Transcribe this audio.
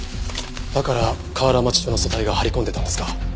だから河原町署の組対が張り込んでたんですか。